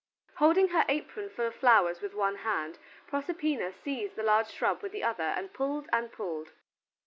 Holding her apron full of flowers with one hand, Proserpina seized the large shrub with the other and pulled and pulled.